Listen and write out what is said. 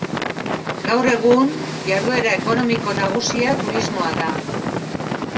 Gaur egun, jarduera ekonomiko nagusia turismoa da.